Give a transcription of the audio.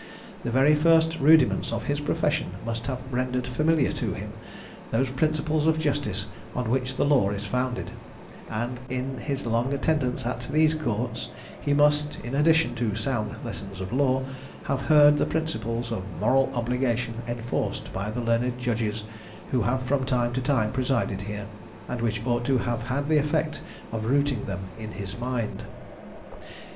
The very first rudiments of his profession must have rendered familiar to him those principles of justice on which the law is founded; and in his long attendance at these courts, he must (in addition to sound lessons of law) have heard the principles of moral obligation enforced by the learned judges who have from time to time presided here, and which ought to have had the effect of rooting them in his mind.